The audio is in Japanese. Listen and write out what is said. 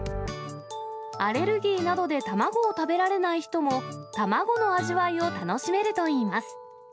アレルギーなどで卵を食べられない人も、卵の味わいを楽しめるといいます。